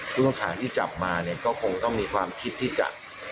ส่วนขาดที่จับมาก็คงต้องมีความคิดที่จะ